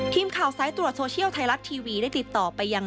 ทีมข่าวสายตรวจโซเชียลไทยรัฐทีวีได้ติดต่อไปยัง